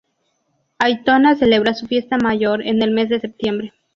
Aitona celebra su fiesta mayor en el mes de septiembre.